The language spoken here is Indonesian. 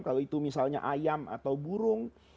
kalau itu misalnya ayam atau burung